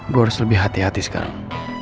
gue harus lebih hati hati sekarang